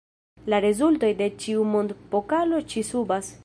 La rezultoj de ĉiu Mond-Pokalo ĉi-subas.